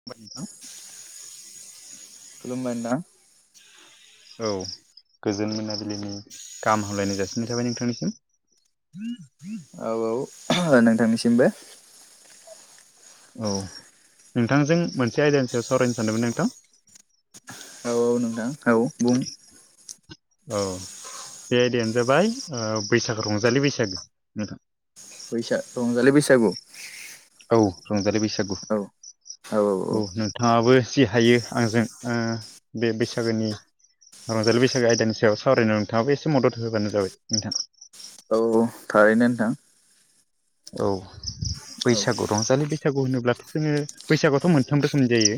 [unintelligible] [unintelligible] खुलुमबाय नोंथां। औ गोजोन मोनाबिलिनि गाहाम हामलायनाय जासिनाय थाबाय नोंथांनिसिम। औ औ नोंथांनिसिमबो। औ नोंथांजों मोनसे आयदानि सायाव सावरायनो सानदोंमोन नोंथां। औ औ नोंथां औ बुं औ दे देनो जाबाय बैसागो रंजालि बैसागो नोंथां बैसागु रंजालि बैसागु औ रंजालि बैसागु। औ औ औ। नोंथाङाबो जि हायो आंजों ओ बे बैसागोनि रंजालि बैसागो आयदानि सायाव सावरायनो नोंथाङाबो एसे मदद होबानो जाबाय नोंथां। औ औ थारैनो नोंथां। औ। औ बैसागु रंजालि बैसागु होनोब्लाथ' जोङो बैसागुआथ' मोनथाम रोखोमनि जायो।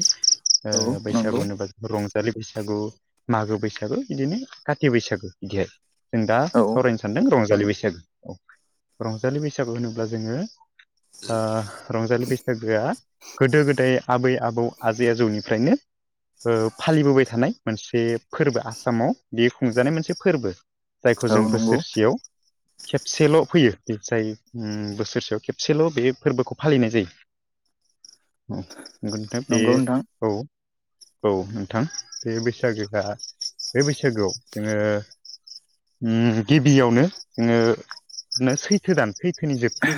औ नंगौ बैसागु होनोबा रंजालि बैसागु आ मागो बैसागो बिदिनो काति बैसागो बिदि आरो जों दा औ सावरायनो सानदों रंजालि बैसागो औ रंजालि बैसागु होनोब्ला जोङो। ओ रंजालि बैसागोआ गोदो गोदाय आबै आबौ आजै आजौनिफ्रायनो फालिबोबाय थानाय मोनसे फोरबो आसामाव बे खुंजानाय मोनसे फोरबो आ जायखौ औ जों नंगौ बोसोरसेयाव खेबसेल' फैयो जायो बोसोरसेयाव खेबसेल' बे फोरबोखौ फालिनाय जायो। नंगौ नोंथां बे नंगौ नोंथां औ। औ नोंथां बे बैसागोआ बे बैसागोआव जोङो। ओम गिबियावनो ओ जोङो सैथो दान सैथोनि जोबथि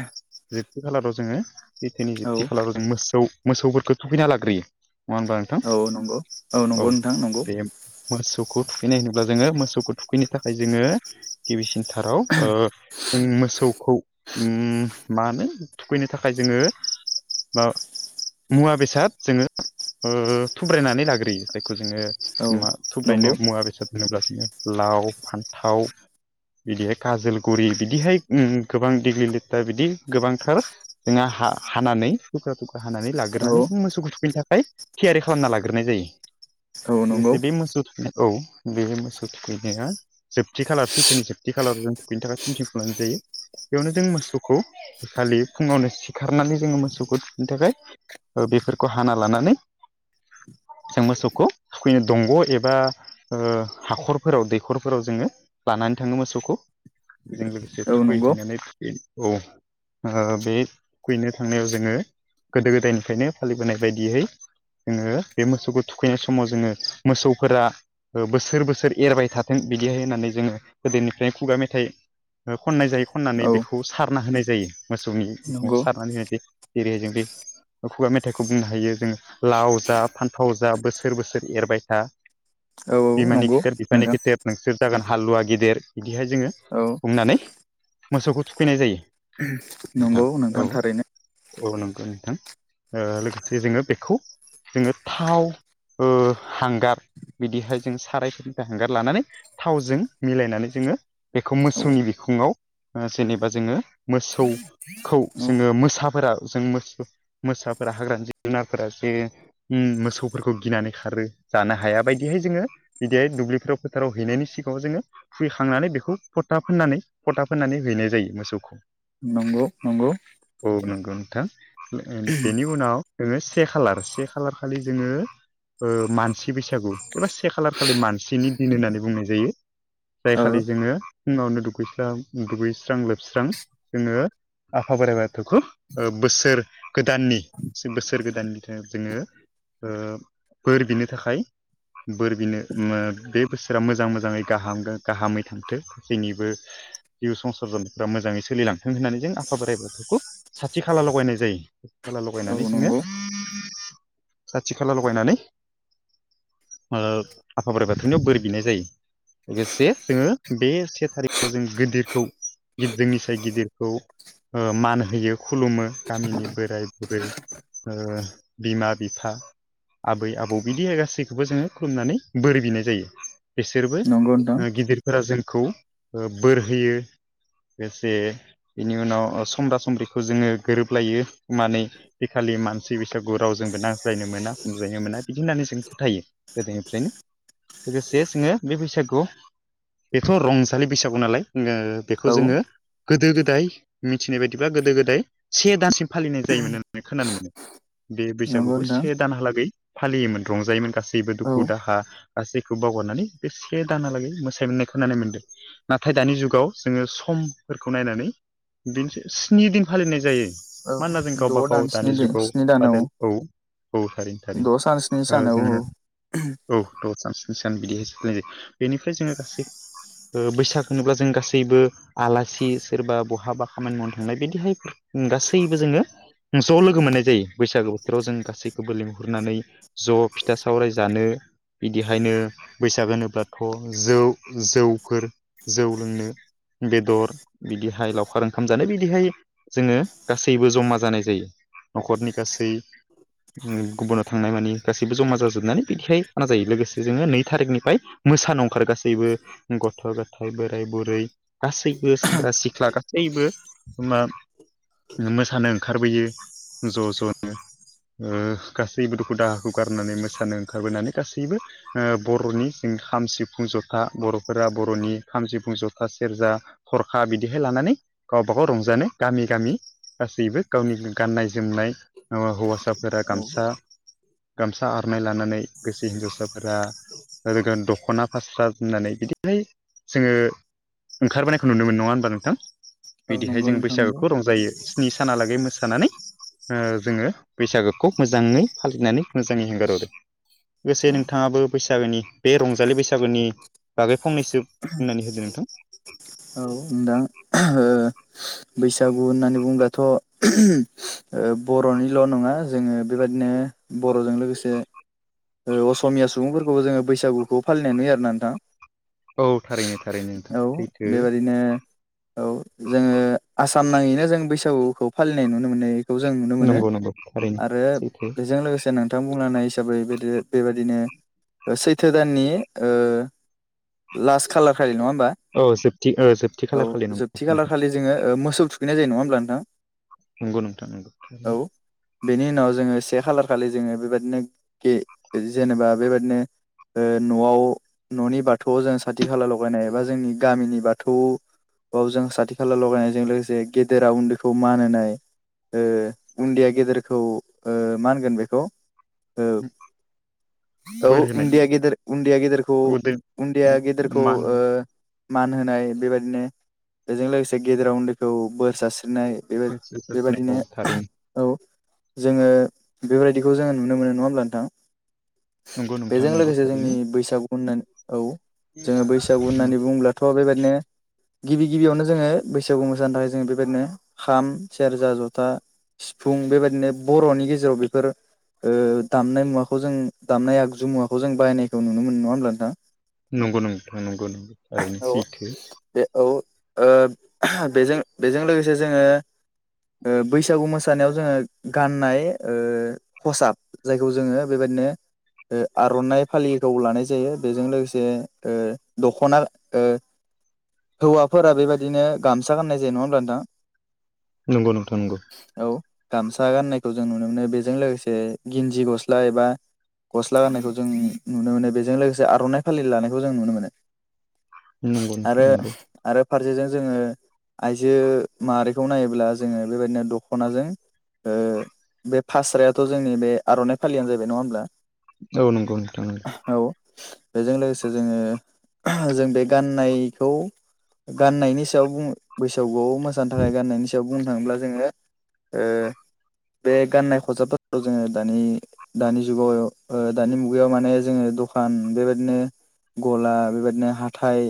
जोबथि खालाराव जोङो सैथोनि औ जोबथि खालाराव जों मोसौ मोसौफोरखौ थुखैना लाग्रोयो नङा होनबा नोंथां औ नंगौ औ नंगौ नोंथां नंगौ बे मोसौखौ थुखैनाय होनोब्ला जोङो मोसौखौ थुखैनो थाखाय जोङो गिबिसिनथाराव ओ जों मोसौखौ ओम मा होनो थुखैनो थाखाय जोङो माबा मुवा बेसाद जोङो ओ थुब्रायनानै लाग्रोयो जायखौ जोङो औ मा नंगौ थुब्रायनाय मुवा बेसाद होनोब्ला जोङो लाव फान्थाव बिदिहाय काजोलगुरि ओम बिदिहाय गोबां दिग्लि लिटा बिदि गोबांथार जोंहा हा हानानै थुख्रा थुख्रा हानानै औ लाग्रोनानै जों मोसौखौ थुखैनो थाखाय थियारि खालामना लाग्रोनाय जायो औ नंगौ लोगोसे बे मोसौ थुखै औ बे मोसौ थुखैनाया जोबथि खालार सैथोनि जोबथि खालाराव जों बेनि थाखाय पेन्टिं खालामनाय जायो बेयावनो जों मोसौखौ खालि फुङावनो सिखारनानै जोङो मोसौखौ थुखैनो थाखाय ओ बेफोरखौ हाना लानानै जों मोसौखौ थोखैनो दंग' एबा हाखरफोराव दैखरफोराव जोङो लानानै थाङो मोसौखौ बेजों लोगोसे औ नंगौ थुखैहैनानै औ ओ बे थोखैनो थांनायाव जोङो गोदो गोदायनिफ्रायनो फालिबोनाय बायदियै जोङो बे मोसौखौ थुखैनाय समाव जोङो मोसौफोरा बोसोर बोसोर एरबाय थाथों बिदिहाय होननानै जोङो गोदोनिफ्रायनो खुगा मेथाइ ओ खननाय जायो खननानै औ बेखौ सारना होनाय जायो मोसौनि बिखौङाव नंगौ सारनानै होनाय जायो जेरैहाय जों बे खुगा मेथाइखौ बुंनो हायो जोङो लाव जा फान्थाव जा बोसोर बोसोर एरबाय था औ नंगौ बिमानि खेथेर बिफानि नोंथां खेथेर नोंसोर जागोन हालुवा गिदेर बिदिहाय जोङो औ बुंनानै मोसौखौ थुखैनाय जायो नोंथां नंगौ औ थारैनो औ नंगौ नोंथां ओ लोगोसे जोङो बेखौ जोङो थाव ओ हांगार बिदिहाय जों सारायफोरनिफ्राय हांगार लानानै थावजों मिलायनानै जोङो बेखौ औ मोसौनि बिखुङाव जेनेबा जोङो मोसौ खौ औ जोङो मोसाफोरा जों मोसाफोरा हाग्रानि जिब जुनारफोरा जे मोसौफोरखौ गिनानै खारो जानो हाया बायदिहाय जोङो बिदिहाय दुब्लिफोराव फोथाराव हैनायनि सिगाङाव जोङो फैखांनानै बेखौ फोथा फोननानै फोथा फोननानै हैनाय जायो मोसौखौ नंगौ नंगौ औ नंगौ नोंथां बेनि उनाव जोङो से खालार से खालार खालि जोङो मानसि बैसागु एबा से खालार खालि मानसिनि दिन होननानै बुंनाय जायो जाय औ खालि जोङो फुङावनो दुगैस्रां दुगैस्रां लोबस्रां जोङो आफा बोराइ बाथौखौ ओ बोसोर गोदाननि बोसोर गोदाननि थाखाय जोङो ओ बोर बिनो थाखाय बोर बिनो बे बोसोरा मोजां मोजाङै गाहाम गाहामै थांथों जोंनिबो जिउ संसार जानायफोरा मोजाङै सोलिलांथों होननानै जों आफा बोराइ बाथौखौ साथि खाला लगायनाय जायो खाला औ लगायनानै जोङो नंगौ साथि खाला लगायनानै ओ आफा बोराइ बाथौनियाव बोर बिनाय जायो लोगोसे जोङो बे से थारिख जों गिदिरखौ गिदिरनि सायाव गिदिरखौ ओ मान होयो खुलुमो गामिनि बोराय बुरै ओ बिमा बिफा आबै आबौ बिदि गासैखौबो जोङो खुलुमनानै बोर बिनाय जायो बिसोरबो नंगौ नोंथां गिदिरफोरा जोंखौ बोर होयो लोगोसे बिनि उनाव समब्रा समब्रिखौ जोङो गोरोबलायो माने बेखालि मानसि बैसागु रावजोंबो नांज्लायनो मोना खोमज्लायनो मोना बिदि होननानै जों फोथायो गोदोनिफ्रायनो लोगोसे जोङो बे बैसागो बेखौ रंजा रंजालि बैसागो नालाय बेखौ औ जोङो गोदो गोदाय मिथिनाय बायदिबा गोदो गोदाय से दानसिम फालिनाय जायोमोन होननानै खोनानो मोनो बे नंगौ बैसागोखौ नोंथां से दानहालागै फालियोमोन रंजायोमोन गासैबो औ दुखु दाहा गासैखौ बावगारनानै बे से दानालागै मोसानायमोन होननानै खोनानो मोनदों नाथाय दानि जुगाव जोङो समफोरखौ नायनानै बिदिनोसै स्नि दिन फालिनाय जायो औ मान होना जों गावबा द' दान गाव दानि स्नि दिन जुगाव स्नि दान बादाय औ औ थारैनो थारै द' सान स्नि ओ सान औ जोंनो औ द' सान स्नि सान बिदिहायसो फालिनाय जायो बेनिफ्राय जोङो गासै ओ बैसाग होनोब्ला जों गासैबो आलासि सोरबा बहाबा खामानि मावनो थांनाय बिदिहाय गासैबो जोङो ज' लोगो मोननाय जायो बैसागो बोथोराव जों गासैखौबो लिंहरनानै ज' फिथा सावराय जानो बिदिहायनो बैसाग होनोब्लाथ जौ जौफोर जौ लोंनो बेदर बिदिहाय लावखार ओंखाम जानाय बिदिहाय जोङो गासैबो जमा जानाय जायो न'खरनि गासै गुबुनाव थांनाय मानानि गासैबो जमा जाजोबनानै बिदिहाय खाना जायो लोगोसे जोङो नै थारिखनिफ्राय मोसानो अंखार गासैबो गथ' गथाय बोराय बुरै गासैबो सेंग्रा सिख्ला गासैबो एखबा मोसानो ओंखारबोयो ज' ज'नो ओ गासैबो दुखु दाहाखौ गारनानै मोसानो ओंखारबोनानै गासैबो ओ बर'नि जोंनि खाम सिफुं जथा बर' फोरा बर'नि खाम सिफुं जथा सेरजा थरखा बिदिहाय लानानै गावबा गाव रंजानो गामि गामि गासैबो गावनि गाननाय जोमनाय हौवासाफोरा औ गामसा गामसा आर'नाय लानानै गोसो हिनजावसाफोरा दखना फास्रा जोमनानै बिदि जोङो ओंखारबोनायखौ नुनो मोनो नङा होनबा नोंथां औ बिदिहाय नंगौ जों नोंथां नंगौ बैसागोखौ रंजायो स्नि सानालागै मोसानानै ओ जोङो बैसागोखौ मोजाङै फालिनानै मोजाङै हेंगार हरो लोगोसे औ नोंथाङाबो बैसागोनि बे रंजालि बैसागोनि बागै फंनैसो बुंनानै होदो नोंथां औ नोंथां ओ बैसागु होननानै बुंब्लाथ' ओ बर'निल' नङा जोङो बेबादिनो बर'जों लोगोसे ओ असमिया सुबुंफोरखौबो जोङो बैसागुखौ फालिनानै नुयो आरोना नोंथां औ थारैनो थारैनो नोंथां औ सैथो बेबायदिनो औ जोङो आसाम नाङैनो जों बैसागुखौ फालिनाय नुनो मोनो खौ जों नुनो मोनो नंगौ नंगौ थारैनो आरो सैथो बेजों लोगोसे नोंथां बुंलांनाय हिसाबै बे आरो बेबायदिनो सैथो दाननि लास्ट खाालार खालि नङा होमबा औ जोबथि औ जोबथि औ खालारखालि नंगौ जोबथि खालार नोंथां खालि जोङो थुखैनाय जायो नङा होमब्ला नोंथां नंगौ नोंथां नंगौ औ बेनि उनाव जोङो से खालार खालि जोङो बेबायदिनो गे जेनेबा बेबादिनो न'आव न'नि बाथौआव जों साथि खाला लगायनाय एबा जोंनि गामिनि बाथौ आव जों साथि खाला लगायनायजों लोगोसे गेदेरा उन्दैखौ मान होनाय ओ उन्दैया गेदेरखौ ओ मा होनगोन बेखौ औ औ बोर होनाय उनदैया गेदेर उनदैया गेदेरखौ उदै उनदैया गेदेरखौ मान ओ मान होनाय बेबायदिनो बेजों लोगोसे गेदेराव उन्दैखौ बोर सारस्रिनाय बेबाय सैथो। औ बेबायदिनो थारैनो [unintelligible] औ जोङो बेबायदिखौ जोङो नुनो मोनो नङा होमब्ला नोंथां? नंगौ नोंथां बेजों नंगौ लोगोसे जोंनि थारैनो बैसागु होननानै औ जोङो बैसागु उम, होननानै बुंब्ला थ बेबायदिनो गिबि गिबियावनो जोङो बैसागु मोसानो थाखाय जोङो बेबायदिनो खाम सेरजा जथा सिफुं बेबायदिनो बर'नि गेजेराव बेफोर ओ दामनाय मुवाखौ जों दामनाय आगजु मुवाखौ जों बायनायखौ नुनो मोन नङा होमब्ला नोंथां? नंगौ नंथां नंगौ नंगौ थारैनो औ सैथो बे औ बेजों बेजों लोगोसे जोङो ओ बैसागु मोसानायाव जोङो गाननाय ओ खसाब जायखौ जोङो बेबायदिनो ओ आर'नाइ फालिखौ लानाय जायो बेजों लोगोसे ओ दख'ना ओ हौवाफोरा बेबायदिनो गामसा गामनाय जायो नङा होनब्ला नोंथां। नंगौ नोंथां नंगौ औ गामसा गाननायखौ जों नुनो मोनो बेजों लोगोसे गिन्जि गस्ला एबा गस्ला गाननायखौ जों नुनो मोनो बेजों लोगोसे आर'नाइ फालि लानायखौ जों नुनो मोनो। नंगौ आरो नोंथां नंगौ आरो फारसेजों जोङो आइजो माहारिखौ नायोब्ला जोङो बेबायदिनो दख'नाजों ओ बे फास्रायाथ' जोंनि बे आर'नाइ फालियानो जाहैबाय नङा होमब्ला औ नंगौ नोंथां उम औ बेजों लोगोसे जोङो जों बे गाननायखौ गान्नायनि सायाव बुङो बैसागुआव मोसानो थाखाय गान्नायनि सायाव बुंनो थाङोब्ला जोङो ओ बे गाननाय खसाबफोराव जोङो दानि दानि जुगाव ओ दानि मुगायाव माने जोङो दखान बेबादिनो गला बेबायदिनो हाथाय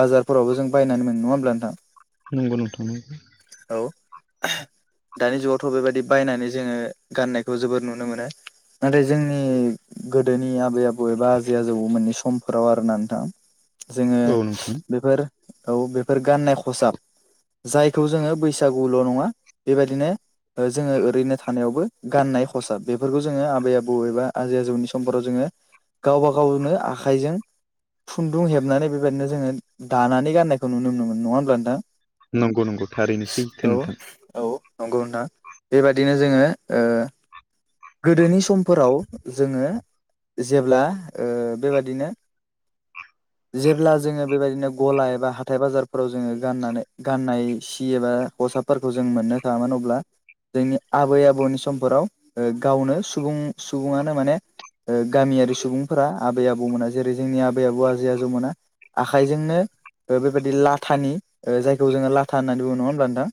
बाजारफोरावबो जों बायनानै मोनो नङा होनब्ला नोंथां? नांगौ नोंथां नांगौ औ दानि जुगावथ' बेबायदि बायनानै जोङो गाननाय। खौ जोबोर नुनो मोनो नाथाय जोंनि गोदोनि आबै आबौ एबा आजै आजौ मोननि समफोराव आरोना नोंथां। जोङो औ नोंथां बेफोर औ बेफोर गाननाय खसाब जायखौ जोङो बैसागुल' नङा बेबायदिनो जोङो ओरैनो थानायावबो गाननाय खसाब बेफोरखौ जोङो आबै आबौ एबा आजै आजौनि समफोराव जोङो गावबा गावनो आखाइजों खुन्दुं हेबनानै बेबायदिनो जोङो दानानै गाननायखौ नुनो मोनोमोन नङा होमब्ला नोंथां। नंगौ नंगौ थारैनो औ सैथो नोंथां औ नंगौ नोंथां बेबादिनो जोङो ओ गोदोनि समफोराव जोङो जेब्ला ओ बेबादिनो [unintelligible] जेब्ला जोङो बेबायदिनो गला एबा हाथाय बाजारफोराव जोङो गाननानै गाननाय सि एबा खसाबफोरखौ जों मोननो थाङामोन अब्ला जोंनि आबै आबौनि समफोराव ओ गावनो सुबुं सुबुङानो माने ओ गामियारि सुबुंफोरा आबै आबौमोना जेरै जोंनि आबै आबौ आजै आजौ मोना आखाइजोंनो ओ बेबायदि लाथानि ओ जायखौ जोङो लाथा होननानै बुङो नङा होनोमब्ला नोंथां।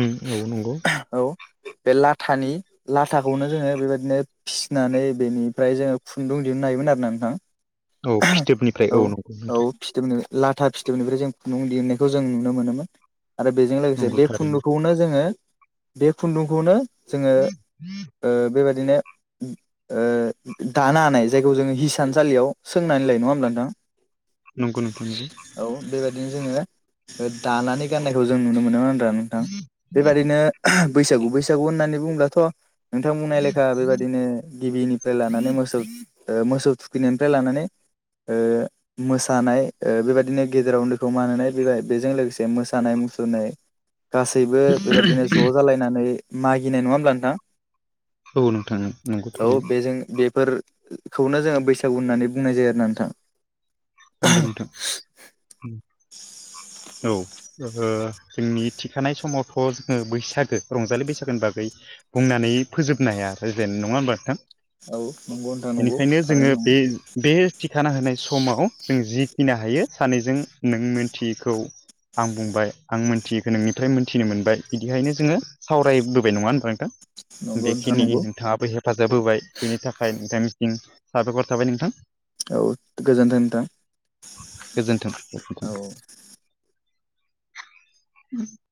उम औ नंगौ औ बे लाथानि लाथाखौनो जोङो बेबायदिनो फिसिनानै बेनिफ्राय जोङो खुन्दुं दिहुननो हायोमोन आरोना नोंथां। औ फिथोबनिफ्राय औ नंगौ नोंथां फिथोबनिफ्राय लाथा फिथोबनिफ्राय जों खुन्दुं दिहुनायखौ जों नुनो मोनोमोन। आरो बेजों लोगोसे नंगौ बे थारैनो खुन्दुंखौनो जोङो बे खुन्दुंखौनो जोङो [inaudible] ओ बेबायादिनो ओ दानो हानाय जायखौ जोङो हिसानसालियाव सोंनानैलायो नङा होमब्ला नोंथां? नंगौ नोंथां नंगौ औ बेबायदिनो जोङो दानानै गाननायखौ जों नुनो मोनोमोनब्रा नोंथां। बेबादिनो बैसागु बैसागु होननानै बुङोब्लाथ' नोंथां बुंनाय लेखा बेबायादिनो गिबिनिफ्राय लानानै मोसौ मोसौ थुखैनायनिफ्राय लानानै ओ मोसानाय ओ बेबायदिनो गेजेराव उन्दैखौ मान होनाय बे बेजों लोगोसे मोसानाय मुसुरनाय गासैबो बेबायदिनो ज' जालायनानै मागिनाय नङा होमब्ला नोंथां? औ नोंथां [unintelligible] औ बेजों बेफोरखौनो जोङो बैसागु होननानै बुंनाय जायो आरो ना नोंथां। नंगौ नोंथां। उम, औ जोंनि थिखानाय समावथ' जोङो बैसागो रंजालि बैसागोनि बागै बुंनानै फोजोबनो हाया आरो जेन नङा होमबा नोंथां? औ नंगौ नोंथां नंगौ बेनिखायनो जोङो थारैनो नंगौ बे बे थिखाना होनाय समाव जों जिखिनि हायो सानैजों नों मोनथियैखो खौ आं बुंबाय आं मोनथियखौ नोंनिफ्राय मोनथिनो मोनबाय बिदिखायनो जोङो सावरायबोबाय नङा होनबा नोंथां नंगौ नोंथां बेखिनि नंगौ नोंथाङाबो हेफाजाब होबाय बेनि थाखाय नोंथांनिसिम साबायखर थाबाय नोंथां। औ गोजोन्थों नोंथां। गोजोनथों गोजोनथों। औ [inaudible]